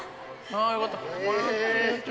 よかった。